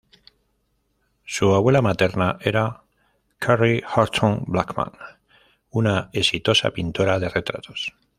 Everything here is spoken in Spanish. Su abuela materna era Carrie Horton Blackman, una exitosa pintora de retratos.